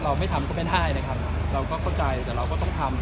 ไม่ทำก็ไม่ได้นะครับเราก็เข้าใจแต่เราก็ต้องทำ